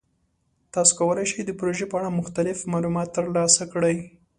تاسو کولی شئ د پروژې په اړه مختلف معلومات ترلاسه کړئ.